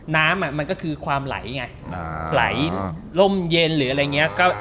น้ำมันก็คือความไหลไงไหลร่มเย็นหรืออะไรอย่างนี้